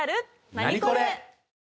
ナニコレ！